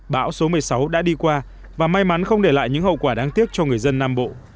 bão số một mươi sáu đã đi qua và may mắn không để lại những hậu quả đáng tiếc cho người dân nam bộ